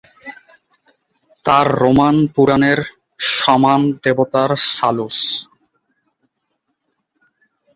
তার রোমান পুরাণের সমমান দেবতা সালুস।